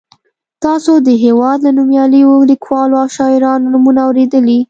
تاسو د هېواد له نومیالیو لیکوالو او شاعرانو نومونه اورېدلي.